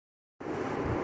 خبر ہلا دینے والی تھی۔